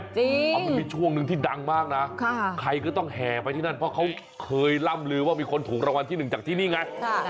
เพราะมันมีช่วงหนึ่งที่ดังมากนะใครก็ต้องแห่ไปที่นั่นเพราะเขาเคยล่ำลือว่ามีคนถูกรางวัลที่หนึ่งจากที่นี่ไง